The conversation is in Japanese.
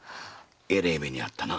えらい目に遭ったな。